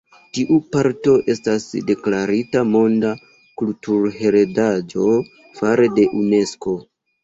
Tiu parto estas deklarita monda kulturheredaĵo fare de Unesko.